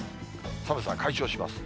寒さは解消します。